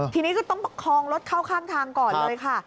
ทีนี้ก็ต้องประคองรถเข้าข้างทางก่อนเลยค่ะ